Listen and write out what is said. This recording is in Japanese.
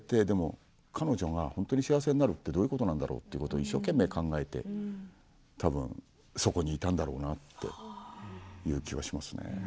でも彼女が本当に幸せになるってどういうことなんだろうと一生懸命、考えてたぶんそこにいたんだろうなっていう気はしますね。